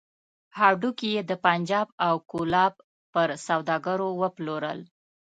هډوکي يې د پنجاب او کولاب پر سوداګرو وپلورل.